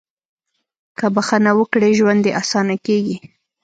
• که بښنه وکړې، ژوند دې اسانه کېږي.